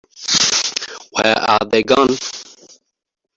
Where are they gone?